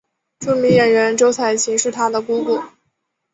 著名演员周采芹是她的姑姑。